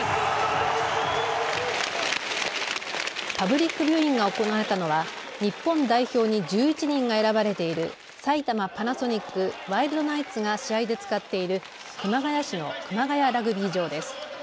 パブリックビューイングが行われたのは日本代表に１１人が選ばれている埼玉パナソニックワイルドナイツが試合で使っている熊谷市の熊谷ラグビー場です。